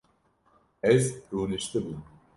Ez rûniştibûm